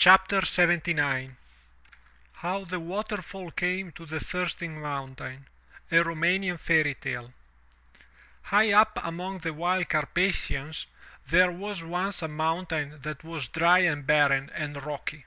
375 MY BOOK HOUSE HOW THE WATERFALL CAME TO THE THIRSTING MOUNTAIN A Roumanian Fairy Tale |IGH up among the wild Carpathians there was once a mountain that was dry and barren and rocky.